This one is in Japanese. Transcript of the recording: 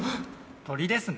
鳥ですね。